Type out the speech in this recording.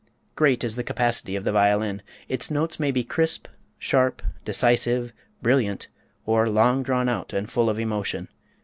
Great is the capacity of the violin. Its notes may be crisp, sharp, decisive, brilliant, or long drawn out and full of emotion.